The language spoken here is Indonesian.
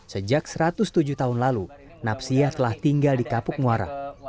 sejak satu ratus tujuh tahun lalu napsiah telah tinggal di kapuk muara